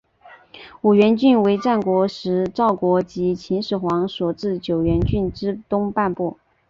五原郡为战国时赵国及秦始皇所置九原郡之东半部。